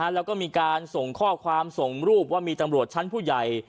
แล้วก็มีการส่งข้อความส่งรูปว่ามีตำรวจชั้นผู้ใหญ่